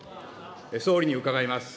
総理に伺います。